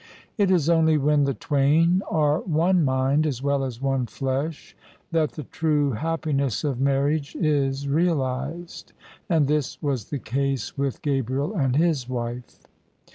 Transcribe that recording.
It is only when the twain are one mind as well as one flesh that the true happiness of marriage is realised : and this was the case with Gabriel and his wife.